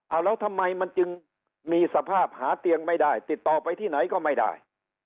เอาแล้วทำไมมันจึงมีสภาพหาเตียงไม่ได้ติดต่อไปที่ไหนก็ไม่ได้